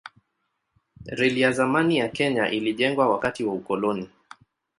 Reli ya zamani ya Kenya ilijengwa wakati wa ukoloni.